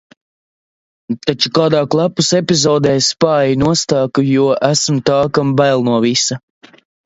Taču kādā klepus epizodē, es paeju nostāk, jo esmu tā, kam bail no visa.